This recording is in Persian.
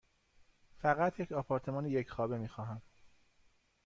فقط یک آپارتمان یک خوابه می خواهم.